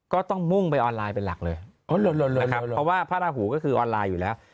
ก็ต้องมุ่งไปออนไลน์เป็นหลักเลยเพราะว่าพระราหูก็คือออนไลน์อยู่แล้ว